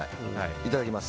いただきます。